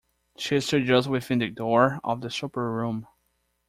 She stood just within the door of the supper-room.